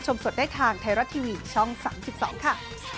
ใช่ค่ะ